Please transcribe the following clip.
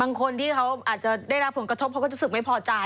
คนที่เขาอาจจะได้รับผลกระทบเขาก็รู้สึกไม่พอใจ